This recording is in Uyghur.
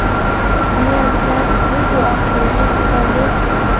قېنى ئەمسە بىر دۇئا قىلىۋېتىپ قوپامدۇق!